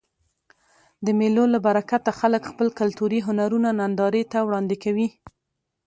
د مېلو له برکته خلک خپل کلتوري هنرونه نندارې ته وړاندي کوي.